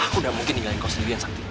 aku gak mungkin nilai kau sendirian sakti